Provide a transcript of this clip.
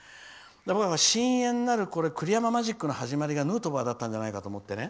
僕は深遠なる栗山マジックの始まりがヌートバーだったんじゃないかと思ってね。